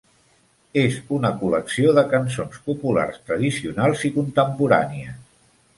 És una col·lecció de cançons populars tradicionals i contemporànies.